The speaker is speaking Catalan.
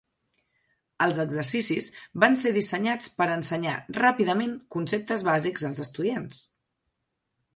Els exercicis van ser dissenyats per ensenyar ràpidament conceptes bàsics als estudiants.